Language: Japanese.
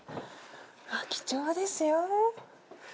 貴重ですよ。